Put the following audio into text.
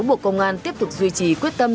bộ công an tiếp tục duy trì quyết tâm